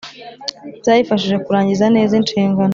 zayifashije kurangiza neza inshingano.